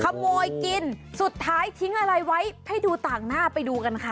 ขโมยกินสุดท้ายทิ้งอะไรไว้ให้ดูต่างหน้าไปดูกันค่ะ